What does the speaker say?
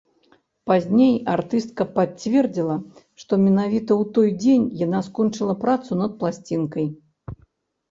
Пазней артыстка пацвердзіла, што менавіта ў той дзень яна скончыла працу над пласцінкай.